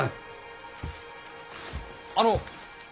あの。